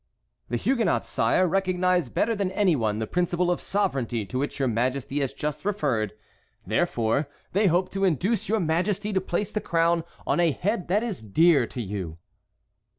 "The Huguenots, sire, recognize better than any one the principle of sovereignty to which your Majesty has just referred. Therefore they hope to induce your Majesty to place the crown on a head that is dear to you."